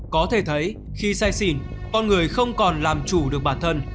có thể thấy khi say xỉn con người không còn làm chủ được bản thân